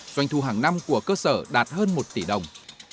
doanh thu hàng năm của cơ sở đạt hơn một tỷ đồng